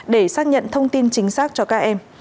để xác nhận thông tin chính xác cho các em